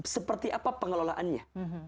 seperti apa pengelolaannya